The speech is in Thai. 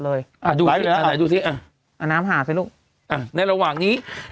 เลยอะดูดิอะไรดูซิอะน้ำหาซิลูกอะในระหว่างนี้เดี๋ยว